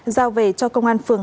giao về cho công an phường